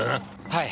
はい。